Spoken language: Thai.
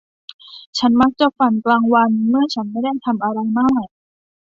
ฉันมักจะฝันกลางวันเมื่อฉันไม่ได้ทำอะไรมาก